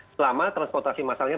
selama transportasi masalnya